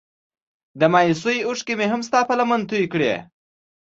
د مايوسۍ اوښکې مې هم ستا په لمن توی کړې.